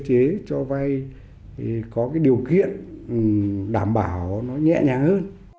cơ chế cho vay thì có cái điều kiện đảm bảo nó nhẹ nhàng hơn